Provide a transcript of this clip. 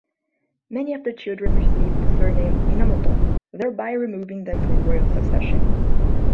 Many of the children received the surname Minamoto, thereby removing them from royal succession.